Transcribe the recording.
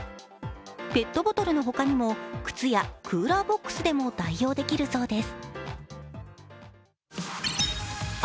ペットボトルの他にも靴やクーラーボックスでも代用できるそうです。